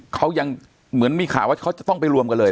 เขายังเหมือนมีข่าวว่าเขาจะต้องไปรวมกันเลย